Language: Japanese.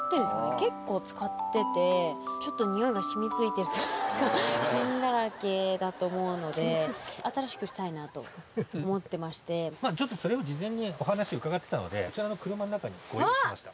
結構使ってて、ちょっとにおいが染みついているというか、菌だらけだと思うので、ちょっとそれを事前にお話伺ってたので、こちらの車の中にご用意させていただきました。